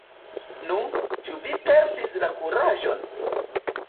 Nu, ĉu vi perdis la kuraĝon?